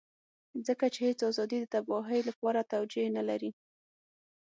ځکه چې هېڅ ازادي د تباهۍ لپاره توجيه نه لري.